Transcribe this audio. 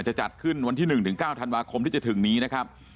จะจัดขึ้นวันที่๑๙ธันวาคมที่จะถึงนี้นะครับ